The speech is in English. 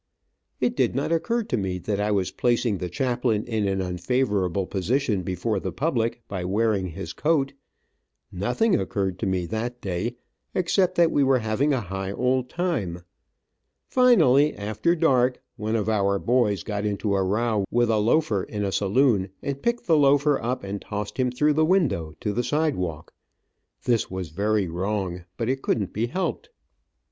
It did not occur to me that I was placing the chaplain in an unfavorable position before the public, by wearing his coat. Nothing occurred to me, that day, except that we were having a high old time. Finally, after dark, one of our boys got into a row with a loafer in a saloon, and picked the loafer up and tossed him through the window, to the sidewalk. This was very wrong, but it couldn't be helped.